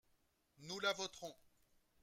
Nous la voterons.